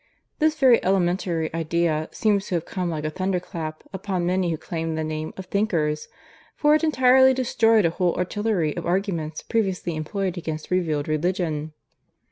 This very elementary idea seems to have come like a thunderclap upon many who claimed the name of 'thinkers'; for it entirely destroyed a whole artillery of arguments previously employed against Revealed Religion.